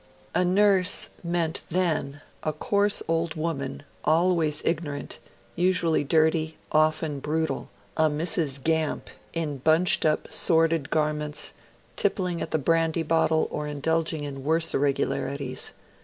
A 'nurse' meant then a coarse old woman, always ignorant, usually dirty, often brutal, a Mrs. Gamp, in bunched up sordid garments, tippling at the brandy bottle or indulging in worse irregularities.